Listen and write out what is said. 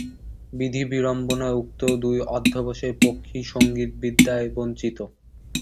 বিধিবিড়ম্বনায় উক্ত দুই অধ্যবসায়ী পক্ষী সংগীতবিদ্যায় বঞ্চিত।